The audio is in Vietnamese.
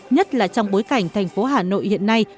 nhất là trong bối cảnh thành phố hà nội hiện nay